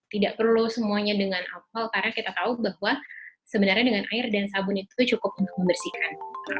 tidak perlu semuanya dengan alkohol karena kita tahu bahwa sebenarnya dengan air dan sabun itu cukup untuk membersihkan